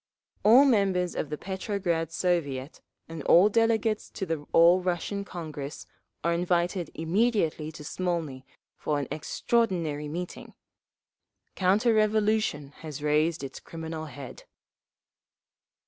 All members of the Petrograd Soviet and all delegates to the All Russian Congress are invited immediately to Smolny for an extraordinary meeting. Counter revolution has raised its criminal head.